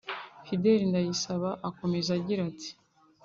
Fidele Ndayisaba akomeza agira ati